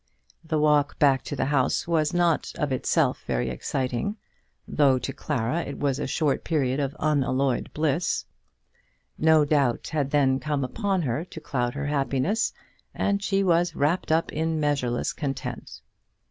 The walk back to the house was not of itself very exciting, though to Clara it was a short period of unalloyed bliss. No doubt had then come upon her to cloud her happiness, and she was "wrapped up in measureless content."